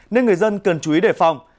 nên người dân cần chú ý đề phòng